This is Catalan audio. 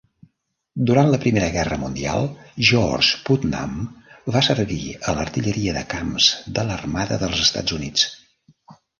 Durant la Primera Guerra Mundial, George Putnam va servir a l"artilleria de camps de l"armada dels Estats Units.